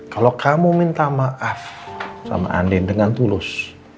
kalau kamu minta maaf sama andin dengan tulus